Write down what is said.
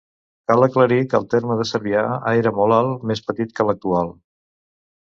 Cal aclarir que el terme de Cervià era molt més petit que l'actual.